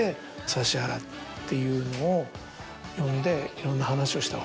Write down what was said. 指原っていうのを呼んで。